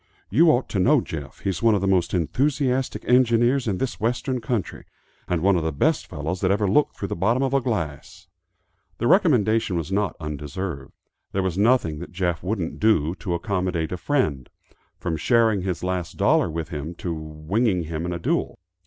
You ought to know Jeff; he's one of the most enthusiastic engineers in this western country, and one of the best fellows that ever looked through the bottom of a glass." The recommendation was not undeserved. There was nothing that Jeff wouldn't do, to accommodate a friend, from sharing his last dollar with him, to winging him in a duel.